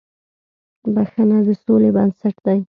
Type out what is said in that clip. • بښنه د سولې بنسټ دی.